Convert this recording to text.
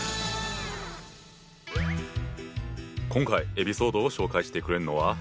今回エピソードを紹介してくれるのは。